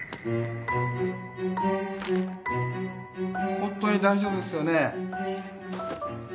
ホントに大丈夫ですよね？